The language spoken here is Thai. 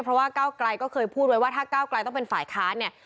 เพราะว่าก้าวไกลก็เคยพูดไว้ว่าถ้าก้าวกลายต้องเป็นฝ่ายค้านเนี่ย